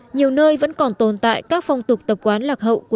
nhiều nơi vẫn còn tồn tại các phong tục tập quán lạc hậu